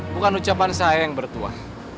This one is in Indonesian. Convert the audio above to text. bukan ucapan saya yang bertuah